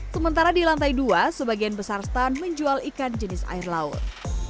sementara di lantai dua sebagian besar stand menjual ikan jenis air laut